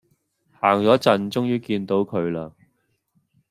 行左陣終於見到佢啦